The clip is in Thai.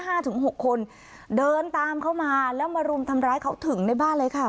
ถึงหกคนเดินตามเขามาแล้วมารุมทำร้ายเขาถึงในบ้านเลยค่ะ